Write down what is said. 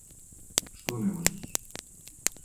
Што не можеш?